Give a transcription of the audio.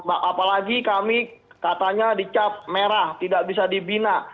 apalagi kami katanya dicap merah tidak bisa dibina